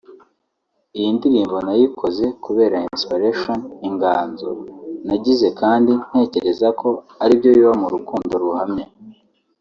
Iyi ndirimbo nayikoze kubera inspiration(inganzo) nagize kandi ntekereza ko aribyo biba mu rukundo ruhamye